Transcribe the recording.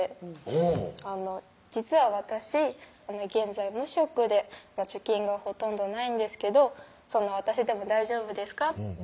うん「実は私現在無職で貯金がほとんどないんですけどそんな私でも大丈夫ですか？」